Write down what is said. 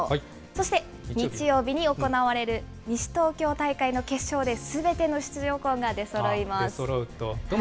そして、日曜日に行われる西東京大会の決勝で、すべての出場校が出そろうと。